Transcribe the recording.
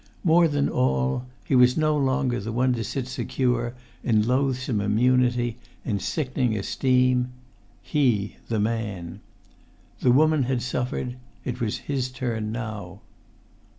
More than all, he was no longer the one to sit secure, in loathsome immunity, in sickening esteem: he, the man! The woman had suffered; it was his turn now.